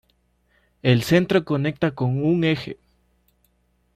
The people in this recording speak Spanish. El centro conecta con un eje.